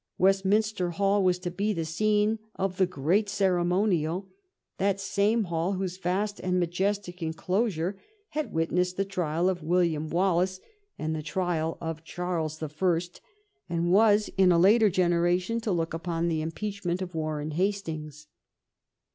Westminster Hall was to be the scene of the great ceremonial, that same hall whose vast and majestic enclosure had witnessed the trial of William Wallace and the trial of Charles 296 SACHEVERELL the First, and was in a later generation to look upon the impeachment of Warren Hastings.